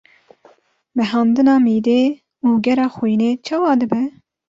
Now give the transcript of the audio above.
mehandina mîdê û gera xwînê çawa dibe?